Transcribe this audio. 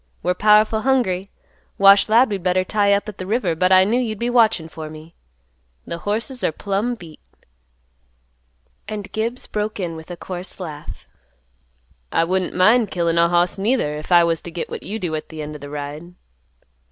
We're powerful hungry. Wash 'lowed we'd better tie up at the river, but I knew you'd be watching for me. The horses are plumb beat." And Gibbs broke in with a coarse laugh, "I wouldn't mind killin' a hoss neither, if I was t' git what you do at th' end o' th' ride."